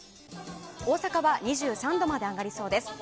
大阪は２３度まで上がりそうです。